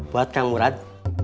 buat kang murad